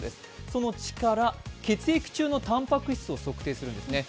その血から血液中のたんぱく質を測定するんですね。